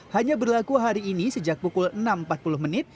hanya berlaku hari ini sejak pukul enam empat puluh menit